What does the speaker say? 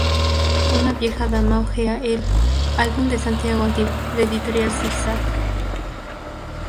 Una vieja dama ojea el "Álbum de Santiago antiguo" de Editorial Zig-Zag.